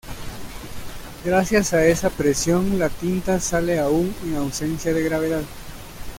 Gracias a esa presión la tinta sale aún en ausencia de gravedad.